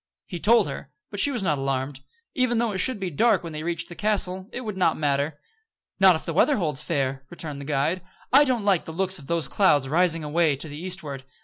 He told her; but she was not alarmed. Even though it should be dark when they reached the castle, it would not matter. "Not if the weather holds fair," returned the guide. "I don't like the looks of those clouds rising away to the eastward."